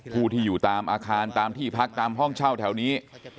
ผู้ที่อยู่ตามอาคารตามที่พักตามห้องเช่าแถวนี้